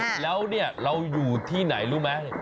แต่พี่ยังไงละเนี่ยเราอยู่ที่ไหนรู้ไหม